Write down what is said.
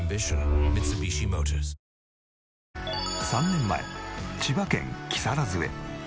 ３年前千葉県木更津へ。